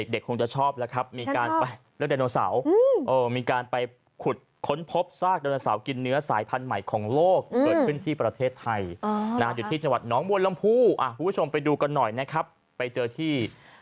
เด็กคงจะชอบแล้วครับมีการไปเลือกไดโนเสาร์มีการไปขุดค้นพบซากไดโนเสาร์กินเนื้อสายพันธุ์ใหม่ของโลกเกิดขึ้นที่ประเทศไทยอยู่ที่จังหวัดน้องบัวลำพูคุณผู้ชมไปดูกันหน่อยนะครับไปเจอที่